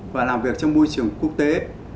và làm việc trong môi trường quốc tế